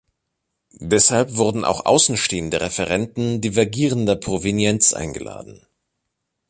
Deshalb wurden auch außenstehende Referenten divergierender Provenienz eingeladen.